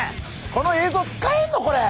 この映像使えんのこれ？